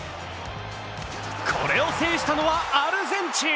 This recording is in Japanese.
これを制したのはアルゼンチン。